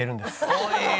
おい！